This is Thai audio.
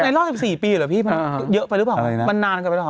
รอบ๑๔ปีเหรอพี่มันเยอะไปหรือเปล่ามันนานเกินไปหรือเปล่า